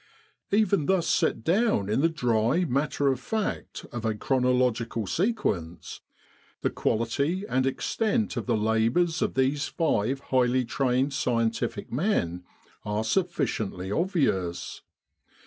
Even thus set down in the dry matter of fact of a chronological sequence, the quality and extent of the labours of these five highly trained scientific men are sufficiently obvious.